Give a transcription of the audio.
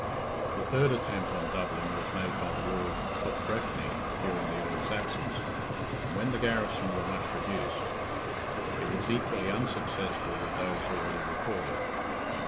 The third attempt on Dublin was made by the lord of Breffni during the Earl's absence, and when the garrison were much reduced; it was equally unsuccessful with those already recorded.